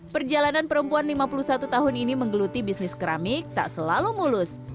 perjalanan perempuan lima puluh satu tahun ini menggeluti bisnis keramik tak selalu mulus